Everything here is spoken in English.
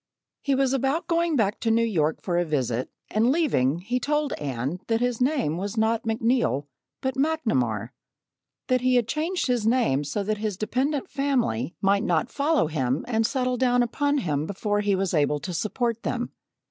He was about going back to New York for a visit and leaving he told Anne that his name was not McNeil, but McNamar that he had changed his name so that his dependent family might not follow him and settle down upon him before he was able to support them.